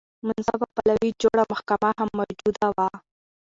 منصفه پلاوي جوړه محکمه هم موجوده وه.